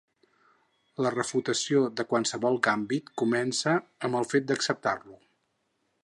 La refutació de qualsevol gambit comença amb el fet d'acceptar-lo.